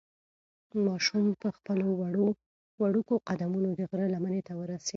ماشوم په خپلو وړوکو قدمونو د غره لمنې ته ورسېد.